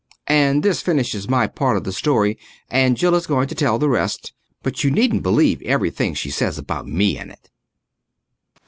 And this finishes my part of the story, and Jill is going to tell the rest. But you needn't believe everything she says about me in it.